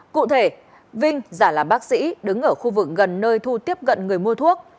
cụ thể vinh giả là bác sĩ đứng ở khu vực gần nơi thu tiếp cận người mua thuốc